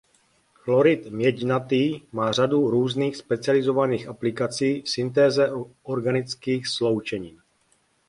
Chlorid měďnatý má řadu různých specializovaných aplikací v syntéze organických sloučenin.